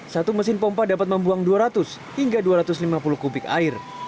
satu mesin pompa dapat membuang dua ratus hingga dua ratus lima puluh kubik air